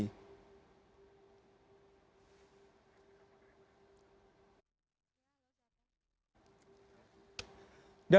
ketujuh siswa yang terkenal luka tusukan